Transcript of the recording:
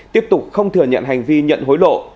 tiếp tục không thừa nhận hành vi nhận hối lộ